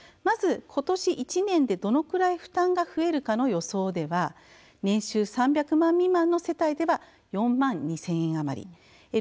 まず、ことし１年でどのくらい負担が増えるかの予想では年収３００万円未満の世帯では４万２０００円余り。